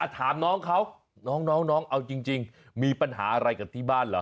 ถามน้องเขาน้องเอาจริงมีปัญหาอะไรกับที่บ้านเหรอ